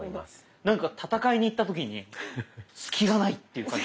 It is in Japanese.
なんか戦いに行った時に隙がないっていう感じ。